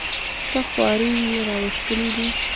څه خواري یې راوستلې ده.